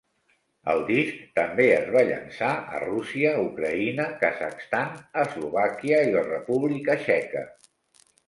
El disc també es va llançar a Rússia, Ucraïna, Kazakhstan, Eslovàquia i la República Txeca.